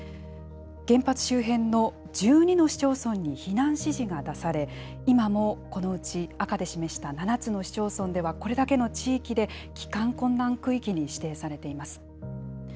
原発周辺の１２の市町村に避難指示が出され、今もこのうち赤で示した７つの市町村では、これだけの地域で、帰還困難区域に指定されています。